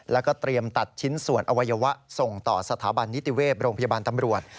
แล้วก็เตรียมตัดชิ้นส่วนอวัยวะส่งต่อสถาบันนิติเวศโรงพยาบาลตำรวจ